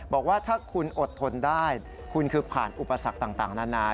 บอกว่าถ้าคุณอดทนได้คุณคือผ่านอุปสรรคต่างนานา